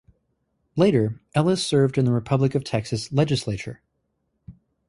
Later, Ellis served in the Republic of Texas legislature.